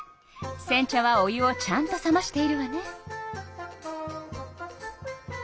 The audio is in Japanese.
せん茶はお湯をちゃんと冷ましているわね。